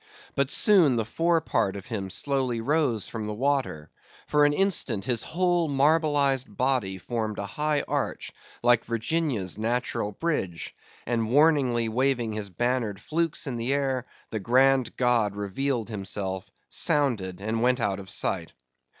But soon the fore part of him slowly rose from the water; for an instant his whole marbleized body formed a high arch, like Virginia's Natural Bridge, and warningly waving his bannered flukes in the air, the grand god revealed himself, sounded, and went out of sight.